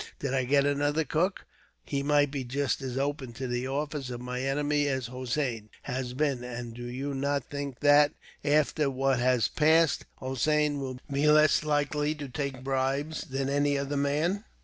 Did I get another cook, he might be just as open to the offers of my enemies as Hossein has been; and do you not think that, after what has passed, Hossein will be less likely to take bribes than any other man?"